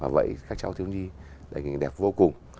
đấy là hình ảnh đẹp vô cùng